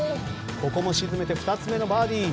ここも沈めて２つ目のバーディー。